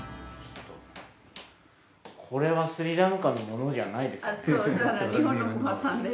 これはスリランカのものじゃないですね。